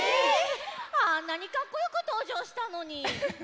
あんなにかっこよくとうじょうしたのに。